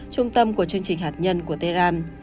trung tâm của chương trình hạt nhân của tehran